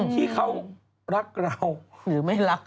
ที่เขารักเรา